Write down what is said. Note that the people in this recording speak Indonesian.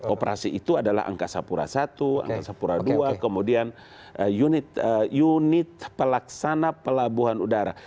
operasi itu adalah angkasa pura i angkasa pura ii kemudian unit pelaksana pelabuhan udara